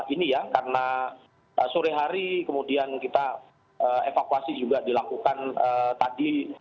ini ya karena sore hari kemudian kita evakuasi juga dilakukan tadi